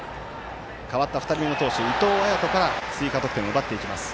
代わった２人目の投手伊藤彩斗から追加得点を奪っていきます。